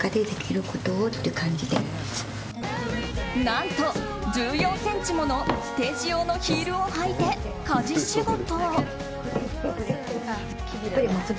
何と１４ｃｍものステージ用のヒールを履いて家事仕事。